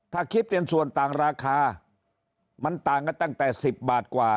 ถ้าคิดเป็นส่วนต่างราคามันต่างกันตั้งแต่๑๐บาทกว่า